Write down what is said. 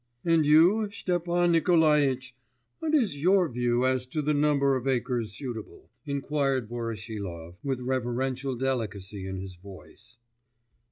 'And you, Stepan Nikolaitch, what is your view as to the number of acres suitable?' inquired Voroshilov, with reverential delicacy in his voice.